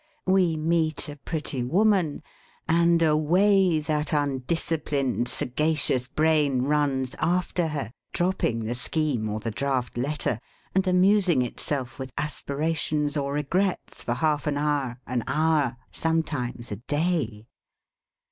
We meet a pretty woman, and away that undisciplined, sagacious brain runs after her, dropping the scheme or the draft letter, and amusing itself with aspirations or regrets for half an hour, an hour, sometimes a day.